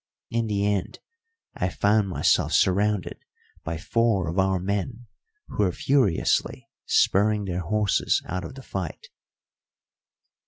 In the end I found myself surrounded by four of our men who were furiously spurring their horses out of the fight.